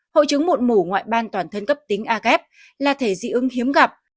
hội chứng mụn mủ ngoại ban toàn thân cấp tính agep là thể dị ứng hiếm gặp